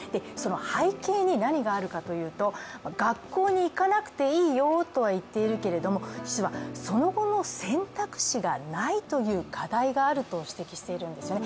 背景に何があるかというと学校に行かなくていいよとは言っているけどその後の選択肢がないという課題があると指摘しているんですよね。